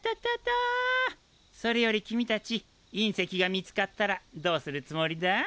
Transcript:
それより君たち隕石が見つかったらどうするつもりだ？